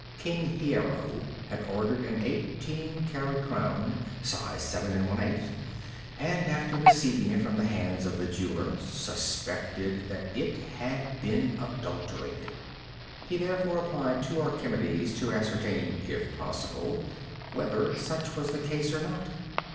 King Hiero had ordered an eighteen karat crown, size 7 1/8, and, after receiving it from the hands of the jeweler, suspected that it had been adulterated. He therefore applied to Archimedes to ascertain, if possible, whether such was the case or not.